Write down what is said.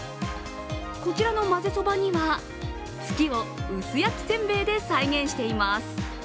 こちらのまぜそばには月を薄焼きせんべいで再現しています。